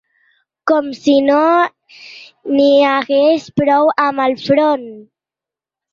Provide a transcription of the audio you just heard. Com si no n'hi hagués prou amb el front!